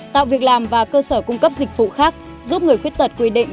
tạo việc làm và cơ sở cung cấp dịch vụ khác giúp người khuyết tật quy định